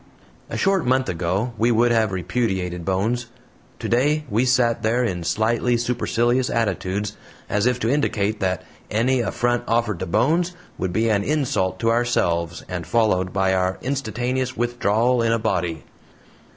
A short month ago we would have repudiated Bones; today we sat there in slightly supercilious attitudes, as if to indicate that any affront offered to Bones would be an insult to ourselves, and followed by our instantaneous withdrawal in a body.